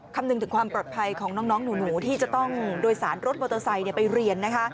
คำนึงถึงความปลอดภัยของน้องหนูที่จะต้องโดยสารรถมอเตอร์ไซค์ไปเรียนนะคะ